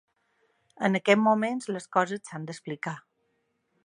En aquests moments les coses s’han d’explicar.